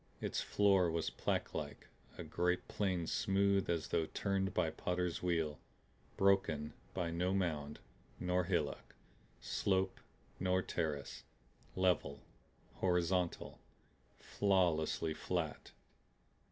Its floor was plaquelike, a great plane smooth as though turned by potter's wheel, broken by no mound nor hillock, slope nor terrace; level, horizontal, flawlessly flat.